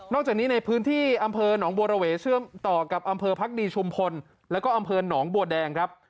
จากนี้ในพื้นที่อำเภอหนองบัวระเวเชื่อมต่อกับอำเภอพักดีชุมพลแล้วก็อำเภอหนองบัวแดงครับ